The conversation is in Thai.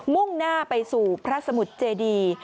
มุ่งหน้าไปสู่พระสมุทรเจดี